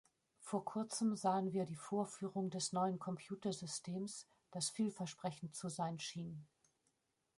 Vor kurzem sahen wir die Vorführung des neuen Computersystems, das vielversprechend zu sein schien.